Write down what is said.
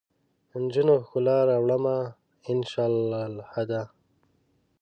نجونو ؛ ښکلا راوړمه ، ان شا اللهدا